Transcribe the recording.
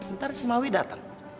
ntar si mawi dateng